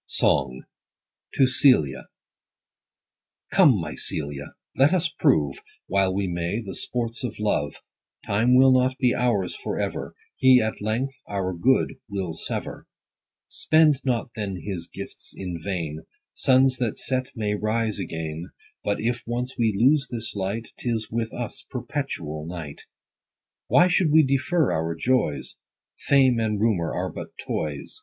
V. — SONG. — TO CELIA. Come, my CELIA, let us prove, While we may, the sports of love ; Time will not be ours for ever : He at length our good will sever. Spend not then his gifts in vain. 5 Suns that set, may rise again: But if once we lose this light, 'Tis with us perpetual night. Why should we defer our joys ? Fame and rumor are but toys.